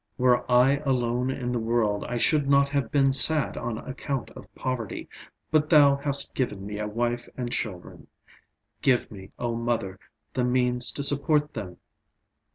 Were I alone in the world, I should not have been sad on account of poverty; but thou hast given me a wife and children. Give me, O Mother, the means to support them."